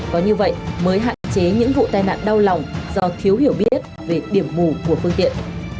có như vậy mới hạn chế những vụ tai nạn đau lòng do thiếu hiểu biết về điểm mù của phương tiện